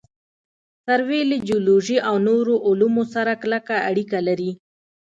سروې له جیولوجي او نورو علومو سره کلکه اړیکه لري